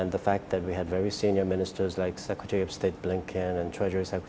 dan faktornya kita memiliki para minister yang sangat senior seperti presiden blinken dan presiden yellen